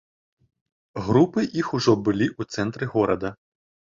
Групы іх ужо былі ў цэнтры горада.